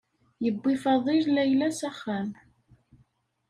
Yewwi Faḍil Layla s axxam.